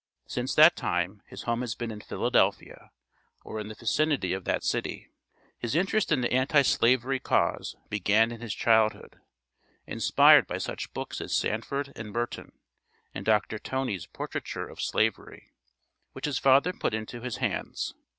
Since that time his home has been in Philadelphia, or in the vicinity of that city. His interest in the Anti slavery cause began in his childhood, inspired by such books as "Sandford and Merton," and Dr. Toney's "Portraiture of Slavery," which his father put into his hands.